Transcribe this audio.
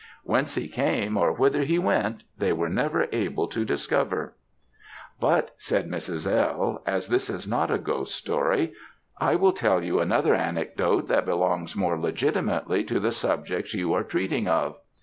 Whence he came, or whither he went, they were never able to discover. "But," said Mrs. L., "as this is not a ghost story, I will tell you another anecdote that belongs more legitimately to the subjects you are treating of.